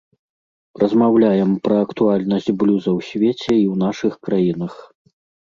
Размаўляем пра актуальнасць блюза ў свеце і ў нашых краінах.